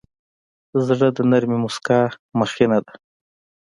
زړه د نرمې موسکا مخینه ده.